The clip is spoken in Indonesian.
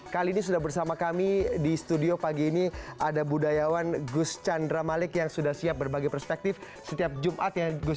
kali ini sudah bersama kami di studio pagi ini ada budayawan gus chandra malik yang sudah siap berbagi perspektif setiap jumat ya gus